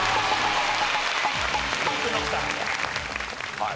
はい。